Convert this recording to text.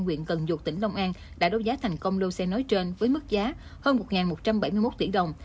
quyện cần dục tỉnh long an đã đấu giá thành công lô xe nói trên với mức giá hơn một một trăm bảy mươi một tỷ đồng